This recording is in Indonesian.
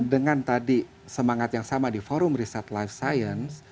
dengan tadi semangat yang sama di forum riset life science